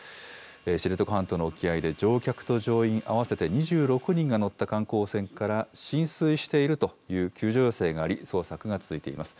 知床半島の沖合で乗客と乗員合わせて２６人が乗った観光船から浸水しているという救助要請があり、捜索が続いています。